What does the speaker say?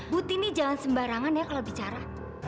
butini jangan sembarangan ya kalau bicara